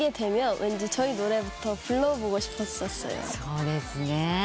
そうですね。